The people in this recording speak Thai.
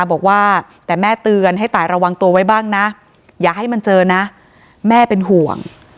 บอกว่าแต่แม่เตือนให้ตายระวังตัวไว้บ้างนะอย่าให้มันเจอนะแม่เป็นห่วง